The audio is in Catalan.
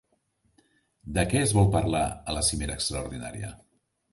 De què es vol parlar a la cimera extraordinària?